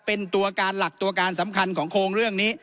เป็นตัวการหลักตัวการสำคัญของโครงเรื่องนี้